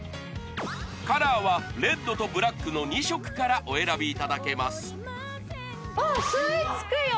カラーはレッドとブラックの２色からお選びいただけます